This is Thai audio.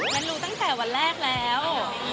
รู้ตั้งแต่วันแรกแล้ว